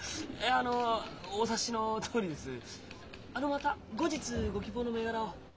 また後日ご希望の銘柄を。